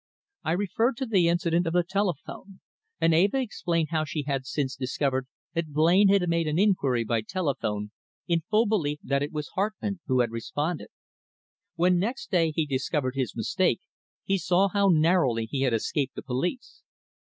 I referred to the incident of the telephone, and Eva explained how she had since discovered that Blain had made an inquiry by telephone, in full belief that it was Hartmann who had responded. When next day he discovered his mistake he saw how narrowly he had escaped the police.